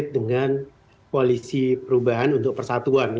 terkait dengan polisi perubahan untuk persatuan